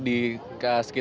di sekitar kawasan pon